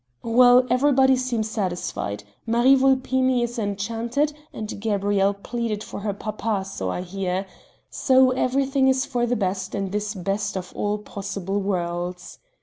"Well, everybody seems satisfied. Marie Vulpini is enchanted, and Gabrielle pleaded for her papa so I hear. So everything is for the best in this best of all possible worlds!"